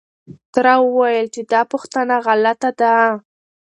تره وويل چې دا پوښتنه غلطه ده.